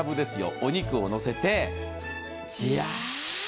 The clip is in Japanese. お肉をのせて、ジャー。